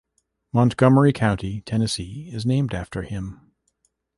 Montgomery County, Tennessee is named after him.